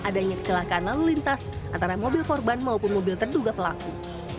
adanya kecelakaan lalu lintas antara mobil korban maupun mobil terduga pelaku